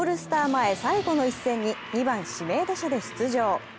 前最後の一戦に２番・指名打者で出場。